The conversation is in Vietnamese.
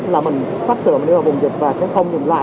là mình sắp tưởng đi vào vùng dịch và sẽ không nhìn lại